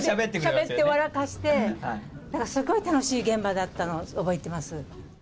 しゃべって笑かして、だからすごい楽しい現場だったのを覚えてます。